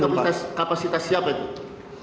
jadi kapasitas siapa itu